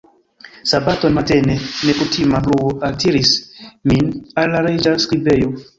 Sabaton matene, nekutima bruo altiris min al la reĝa skribejo.